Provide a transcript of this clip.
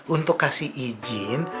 untuk kasih izin